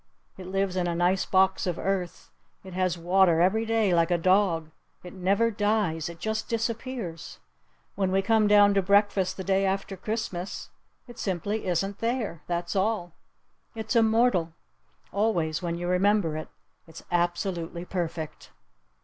It lives in a nice box of earth. It has water every day like a dog. It never dies. It just disappears. When we come down to breakfast the day after Christmas it simply isn't there. That's all. It's immortal. Always when you remember it, it's absolutely perfect.